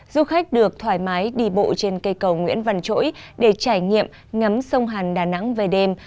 du khách được thoải mái đi bộ trên cây cầu nguyễn văn chỗi để trải nghiệm ngấm sông hàn đà nẵng về đêm